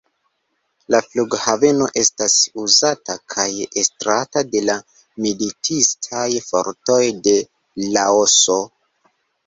La flughaveno estas uzata kaj estrata de la militistaj fortoj de Laoso.